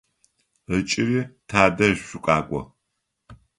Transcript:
Ыджыри тадэжь шъукъакӏо.